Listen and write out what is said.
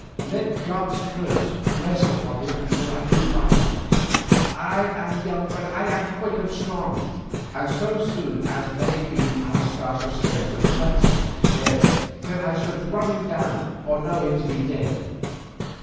Let God's curse rest upon me till I do find him. I am young, but I am quick and strong, and so soon as may be I start for Spain to hunt him there till I shall run him down or know him to be dead.